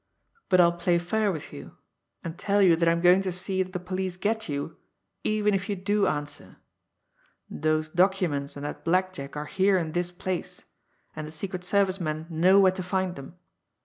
But I'll play fair with you, and tell you that I'm going to see that the police get you even if you do answer. Those documents and that blackjack are here in this place, and the Secret Service men know where to find them."